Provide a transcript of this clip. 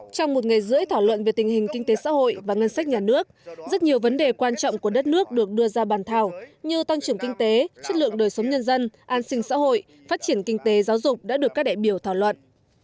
trong một ngày rưỡi thảo luận về tình hình kinh tế xã hội và ngân sách nhà nước rất nhiều vấn đề quan trọng của đất nước được đưa ra bàn thảo như tăng trưởng kinh tế chất lượng đời sống nhân dân an sinh xã hội phát triển kinh tế giáo dục đã được các đại biểu thảo luận